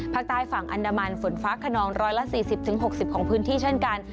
ภาคใต้ฝั่งอันดามันฝนฟ้าขนอง๑๔๐๖๐ของพื้นที่เช่นกัน